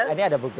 ini ada bukti